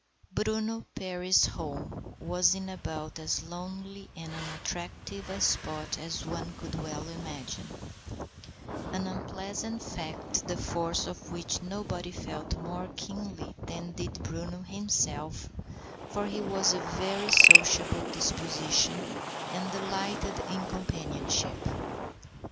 * Bruno Perry's home was in about as lonely and unattractive a spot as one could well imagine; an unpleasant fact, the force of which nobody felt more keenly than did Bruno himself, for he was of a very sociable disposition and delighted in companionship.